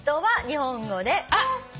あっ！